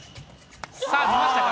さあ、見ましたか？